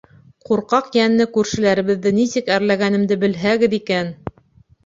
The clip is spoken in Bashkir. Ҡурҡаҡ йәнле күршеләребеҙҙе нисек әрләгәнемде белһәгеҙ икән!